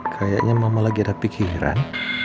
kayaknya mama lagi ada pikiran